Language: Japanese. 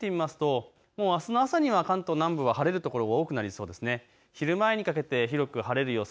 天気の分布で見てみますとあすの朝には関東南部は晴れる所が多くなりそうです。